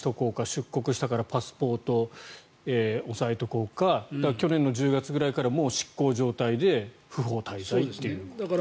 出国したからパスポート押さえておこうか去年１０月ぐらいから執行状態で不法滞在と。